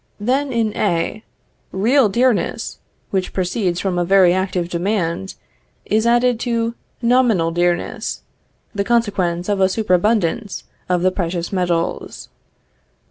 Then in A, real dearness, which proceeds from a very active demand, is added to nominal dearness, the consequence of a superabundance of the precious metals.